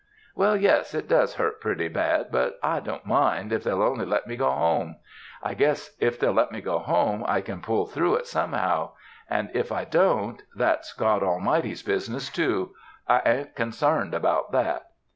Well, yes, it does hurt pretty bad, but I don't mind, if they'll only let me go home. I guess if they'll let me go home, I can pull through it somehow; and if I don't,—that's God Almighty's business, too; I a'n't consarned about that."